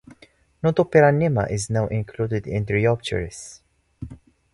"Nothoperanema" is now included in "Dryopteris".